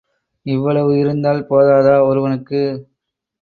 இவ்வளவு இருந்தால் போதாதா ஒருவனுக்கு!